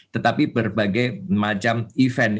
tetapi berbagai macam event